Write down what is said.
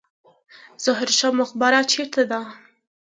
ظاهر شاه مقبره چیرته ده؟